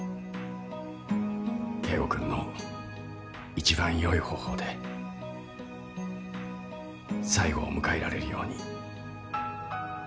圭吾君の一番良い方法で最後を迎えられるように。